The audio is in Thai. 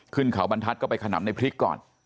ขึ้นเขาบรรทัศน์ก็ไปขนำในพริกก่อน